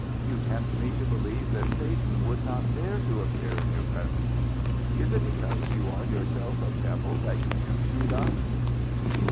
You tempt me to believe that Satan would not dare to appear in your presence. Is it because you are yourself a devil that you tempt me thus?"